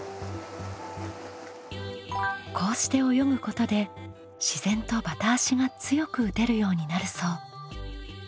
こうして泳ぐことで自然とバタ足が強く打てるようになるそう。